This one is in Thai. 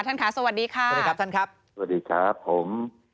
ท่านค่ะสวัสดีค่ะสวัสดีครับท่านครับสวัสดีครับผม